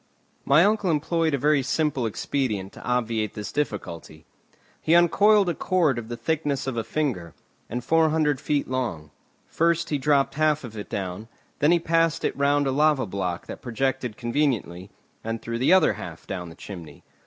My uncle employed a very simple expedient to obviate this difficulty. He uncoiled a cord of the thickness of a finger, and four hundred feet long; first he dropped half of it down, then he passed it round a lava block that projected conveniently, and threw the other half down the chimney.